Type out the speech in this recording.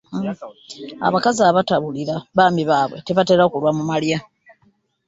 Abakazi abatawulira baami baabwe tebatera kulwa mu malya.